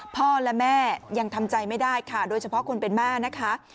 พ่อและแม่ยังทำใจไม่ได้ค่ะโดยเฉพาะคนเป็นแม่นะคะ